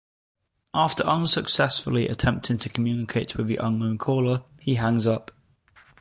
After unsuccessfully attempting to communicate with the unknown caller, he hangs up.